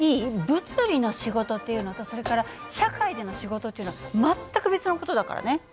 物理の仕事っていうのとそれから社会での仕事っていうのは全く別の事だからね。